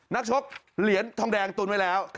นักชกเหรียญทองแดงตุนไว้แล้ว